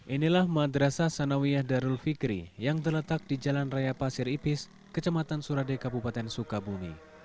inilah madrasah sanawiyah darul fikri yang terletak di jalan raya pasir ipis kecamatan surade kabupaten sukabumi